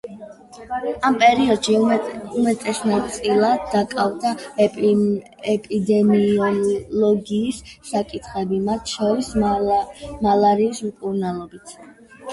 ამ პერიოდში უმეტესწილად დაკავდა ეპიდემიოლოგიის საკითხებით, მათ შორის მალარიის მკურნალობით.